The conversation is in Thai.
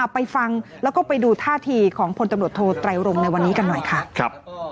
ไปฟังแล้วก็ไปดูท่าทีของพลตำรวจโทไตรรงในวันนี้กันหน่อยค่ะ